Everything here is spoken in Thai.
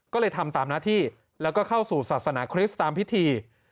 ก็เลยทำตามหน้าที่แล้วก็เข้าสู่ศาสนาคริสต์ตามพิธี